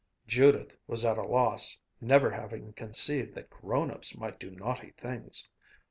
Judith was at a loss, never having conceived that grown ups might do naughty things.